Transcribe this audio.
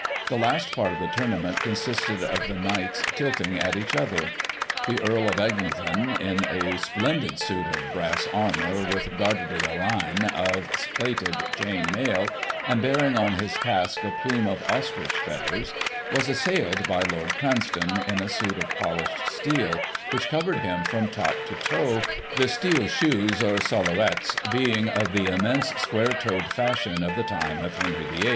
The last part of the tournament consisted of the Kjiights tilting at each other. The Earl of Eglinton, in a splendid suit of brass armour, with garde de reins of plated chain mail, and bearing on his casque a plume of ostrich feathers, was zissailed by Lord Cranstoim, in a suit of polished steel, which covered him from top to toe, the steel shoes, or soUarets, being of the immense square toed fashion of the time of Henry VIII.